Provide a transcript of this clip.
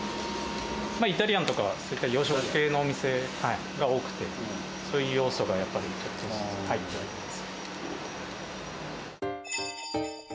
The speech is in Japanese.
イタリアンとか、そういった洋食系のお店が多くて、そういう要素がやっぱり入ってます。